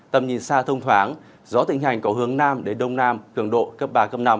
tầm nhìn xa thông thoáng gió tỉnh hành có hướng nam đến đông nam cường độ cấp ba năm